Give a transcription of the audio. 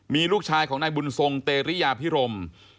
มีลูกชายของนายบุญทรงเตรียพิรม